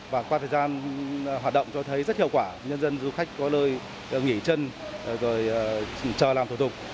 và qua thời gian hoạt động cho thấy rất hiệu quả nhân dân du khách có lơi nghỉ chân rồi chờ làm thủ tục